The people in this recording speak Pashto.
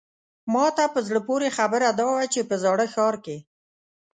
ماته په زړه پورې خبره دا وه چې په زاړه ښار کې.